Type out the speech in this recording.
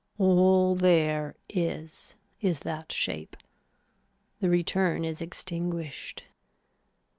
All there is is that shape. The return is extinguished.